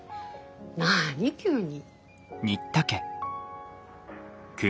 何急に。